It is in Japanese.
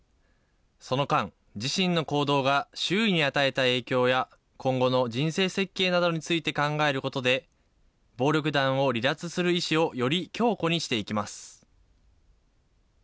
その間、自身の行動が周囲に与えた影響や、今後の人生設計などについて考えることで、暴力団を離脱する意思をより強固にしていきます。